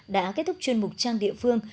đã kết thúc chuyên mục trang địa phương